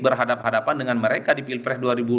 berhadapan hadapan dengan mereka di pilpres dua ribu dua puluh